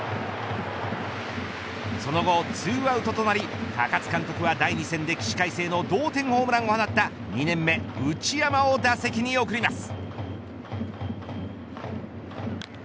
その後、２アウトとなり高津監督は、第２戦で起死回生の同点ホームランを放った２年目内山を打席に送ります。